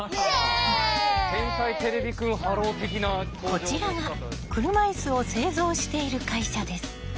こちらが車いすを製造している会社です。